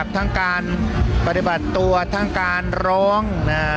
ทั้งการปฏิบัติตัวทั้งการร้อง